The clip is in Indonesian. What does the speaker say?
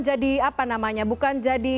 jadi apa namanya bukan jadi